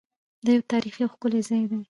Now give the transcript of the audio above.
دا یو تاریخي او ښکلی ځای دی.